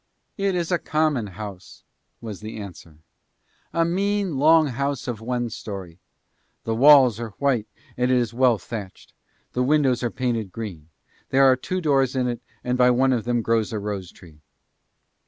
"It is a common house," was the answer. "A mean, long house of one story. The walls are white and it is well thatched. The windows are painted green; there are two doors in it and by one of them grows a rose tree."